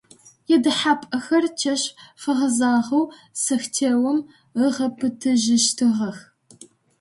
Ядэхьапӏэхэр чэщ фэгъэзагъэу сэхтеом ыгъэпытэжьыщтыгъэх.